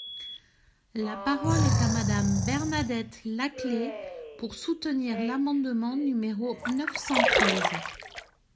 La parole est à Madame Bernadette Laclais, pour soutenir l’amendement numéro neuf cent treize.